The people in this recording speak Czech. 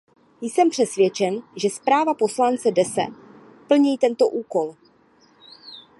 Jsem přesvědčen, že zpráva poslance Desse plní tento úkol.